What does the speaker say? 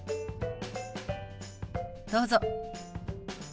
どうぞ。